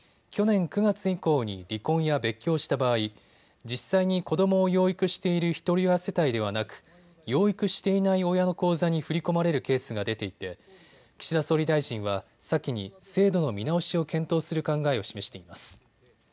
去年９月以降に離婚や別居をした場合、実際に子どもを養育しているひとり親世帯ではなく養育していない親の口座に振り込まれるケースが出ていて岸田総理大臣は先に制度の見直しを検討する考えを示しています。